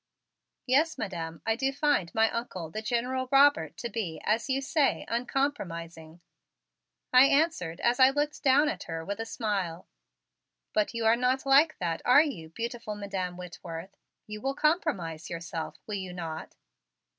"Yes, Madam, I do find my Uncle, the General Robert, to be, as you say, uncompromising," I answered as I looked down at her with a smile. "But you are not like that, are you, beautiful Madam Whitworth? You will compromise yourself, will you not?"